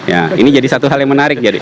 ya ini jadi satu hal yang menarik jadi